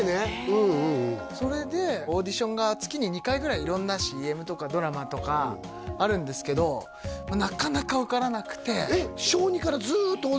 うんうんうんそれでオーディションが月に２回ぐらい色んなＣＭとかドラマとかあるんですけどなかなか受からなくてえっ？